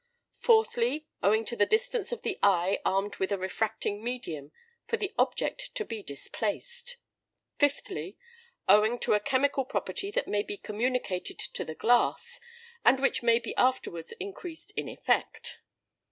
Fourthly, owing to the distance of the eye armed with a refracting medium from the object to be displaced. Fifthly, owing to a chemical property that may be communicated to the glass, and which may be afterwards increased in effect.